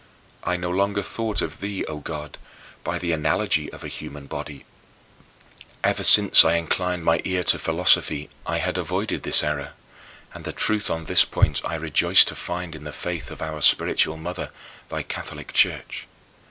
I no longer thought of thee, O God, by the analogy of a human body. Ever since I inclined my ear to philosophy I had avoided this error and the truth on this point I rejoiced to find in the faith of our spiritual mother, thy Catholic Church.